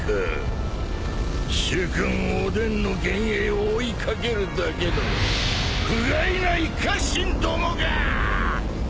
主君おでんの幻影を追い掛けるだけのふがいない家臣どもが！